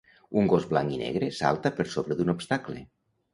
Un gos blanc i negre salta per sobre d'un obstacle.